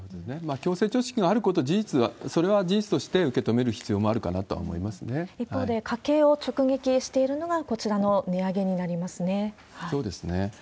強制貯蓄があること事実、それは事実として受け止める必要も一方で、家計を直撃しているのがこちらの値上げになりますね。